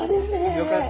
よかった。